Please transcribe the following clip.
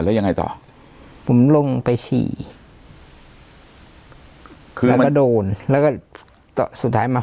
แล้วยังไงต่อผมลงไปฉี่คือแล้วก็โดนแล้วก็ต่อสุดท้ายมา